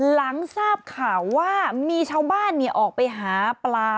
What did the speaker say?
หลังทราบข่าวว่ามีชาวบ้านออกไปหาปลา